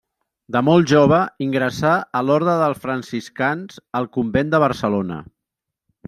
De molt jove ingressà a l'orde dels franciscans al convent de Barcelona.